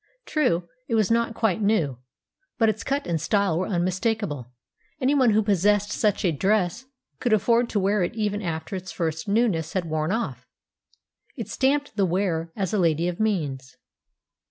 True, it was not quite new, but its cut and style were unmistakable; anyone who possessed such a dress could afford to wear it even after its first newness had worn off; it stamped the wearer as a lady of means.